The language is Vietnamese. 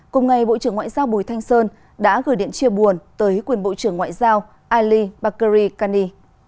cùng ngày bộ trưởng ngoại giao bùi thanh sơn đã gửi điện chia buồn tới quyền bộ trưởng ngoại giao ali bakori kani